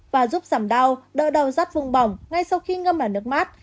và giúp giảm đau đỡ đau rát vùng bỏng ngay sau khi ngâm vào nước mát